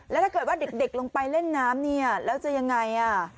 แล้วถ้าเกิดว่าเด็กลงไปเล่นน้ำเนี่ยแล้วจะยังไง